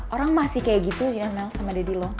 orang masih kayak gitu ya mel sama daddy lo